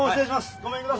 ごめんください。